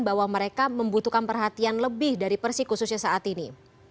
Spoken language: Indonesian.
bahwa mereka membutuhkan perhatian lebih dari persik khususnya saat ini